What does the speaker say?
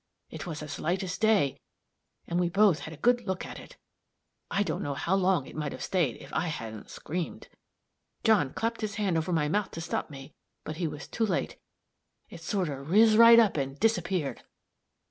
It was as light as day, and we both had a good look at it. I don't know how long it might have stayed if I hadn't screamed. John clapped his hand over my mouth to stop me, but he was too late; it sort of riz right up and disappeared."